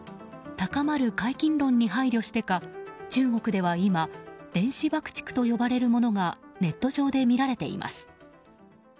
高まる解禁論に配慮してか中国では今電子爆竹と呼ばれるものがネット上で見られています。